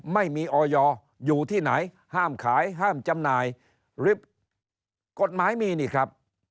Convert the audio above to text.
ไม่มีออยอยู่ที่ไหนห้ามขายห้ามจำหน่ายริบกฎหมายมีนี่ครับ